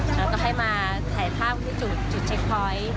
แล้วก็ให้มาถ่ายภาพที่จุดเช็คพอยต์